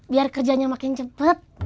biar kerjanya makin cepet